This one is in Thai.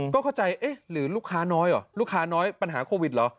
ก็เข้าใจเอ๊ะหรือลูกค้าน้อยเหรอลูกค้าน้อยปัญหาโควิดเหรอ